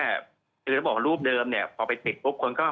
หลังจากรูปเดิมเนี่ย